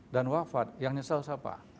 dan wafat yang nyesel siapa